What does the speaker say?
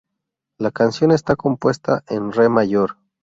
La canción está compuesta en Re mayor.